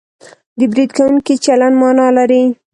د برید کوونکي چلند مانا لري